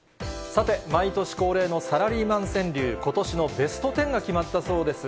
さて、毎年恒例のサラリーマン川柳、ことしのベスト１０が決まったそうです。